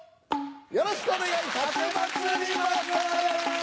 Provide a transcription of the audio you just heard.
よろしくお願い奉ります。